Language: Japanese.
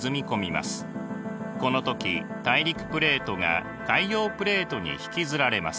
この時大陸プレートが海洋プレートに引きずられます。